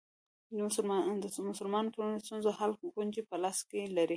د مسلمانو ټولنو ستونزو حل کونجي په لاس کې لري.